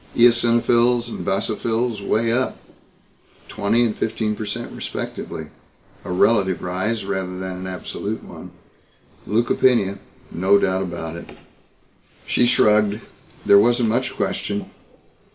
Eosinophils and basophils way up twenty and fifteen per cent respectively a relative rise rather than an absolute one leukopenia, no doubt about it. She shrugged. There wasn't much question.